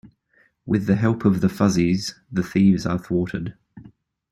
With the help of the Fuzzies, the thieves are thwarted.